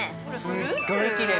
◆すごいきれい。